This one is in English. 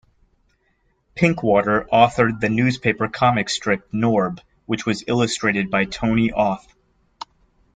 Pinkwater authored the newspaper comic strip "Norb", which was illustrated by Tony Auth.